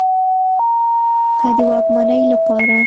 که د واکمنۍ له پاره